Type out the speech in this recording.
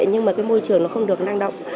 nhưng mà cái môi trường nó không được năng động